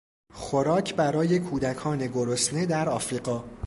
خوراک برای کودکان گرسنه در افریقا